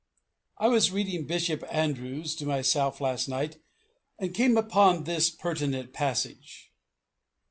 I was reading Bishop Andrewes to myself last night and came upon this pertinent passage.